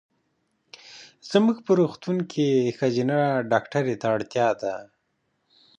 زمونږ په روغتون کې ښځېنه ډاکټري ته اړتیا ده.